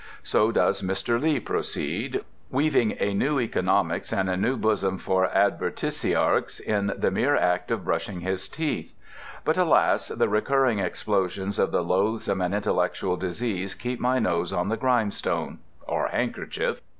So does Mr. Lee proceed, weaving a new economics and a new bosom for advertisiarchs in the mere act of brushing his teeth. But alas, the recurring explosions of the loathsome and intellectual disease keep my nose on the grindstone—or handkerchief.